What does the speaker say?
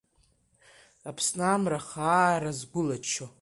Аԥсны амра хаара згәылаччо…